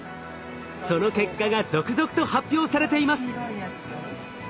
その結果が続々と発表されています。